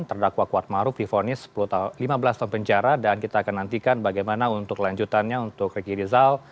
terdakwa kuat maruf di fonis lima belas tahun penjara dan kita akan nantikan bagaimana untuk lanjutannya untuk riki kirizal